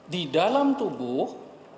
di dalam tubuh